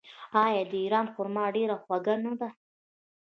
آیا د ایران خرما ډیره خوږه نه ده؟